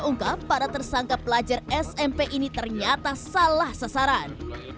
terungkap para tersangka pelajar smp ini ternyata salah sasaran